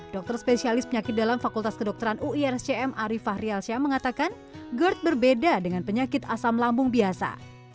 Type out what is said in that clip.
dokter spesialis penyakit dalam fakultas kedokteran uirscm ari fahrialsyah mengatakan gerd berbeda dengan penyakit asam lambung biasa